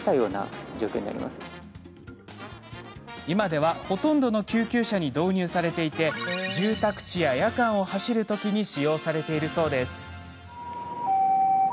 今では、ほとんどの救急車に導入されていて住宅地や夜間を走るときに使用されているそうです。